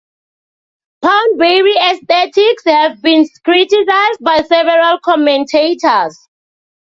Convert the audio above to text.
Poundbury's aesthetics have been criticized by several commentators.